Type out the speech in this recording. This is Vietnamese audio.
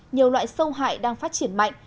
nhiều loại sâu hại đang phát triển mạnh